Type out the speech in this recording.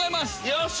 よし！